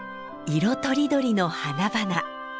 色とりどりの花々。